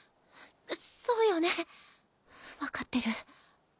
そうよね分かってる。